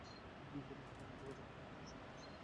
প্রধান যোগাযোগ মাধ্যম অটোরিক্সা ও মোটর সাইকেল।